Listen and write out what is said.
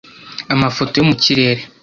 Amafoto yo mu kirere